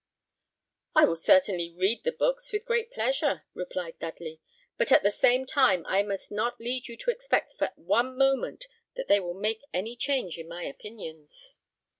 "I will certainly read the books with great pleasure," replied Dudley; "but at the same time I must not lead you to expect for one moment that they will make any change in my opinions."